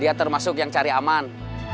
dia termasuk yang cari aman